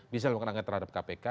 bisa melakukan angket terhadap kpk